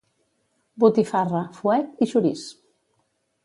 Botifarra, fuet i xoriç.